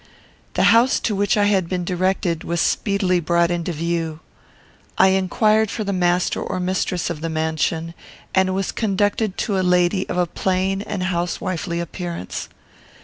The house to which I had been directed was speedily brought into view. I inquired for the master or mistress of the mansion, and was conducted to a lady of a plain and housewifely appearance.